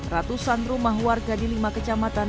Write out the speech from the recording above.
ratusan rumah warga di lima kecamatan